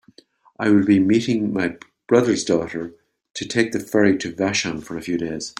I will be meeting my brother's daughter to take the ferry to Vashon for a few days.